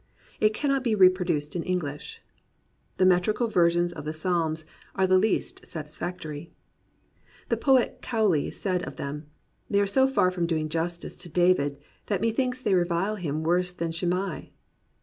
It cannot be reproduced in English. The metrical versions of the Psalms are the least satisfactory. The poet Cowley said of them, "They are so far from doing justice to David that methinks they revile him worse than Shimei."